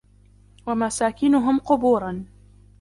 وَمَسَاكِنُهُمْ قُبُورًا